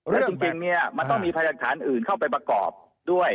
และจริงเนี่ยมันต้องมีพยากฐานอื่นเข้าไปประกอบด้วย